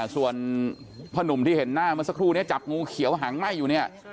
ส่วนพ่อหนุ่มที่เห็นหน้าเมื่อสักครู่นี้จับงูเขียวหางไหม้อยู่เนี่ย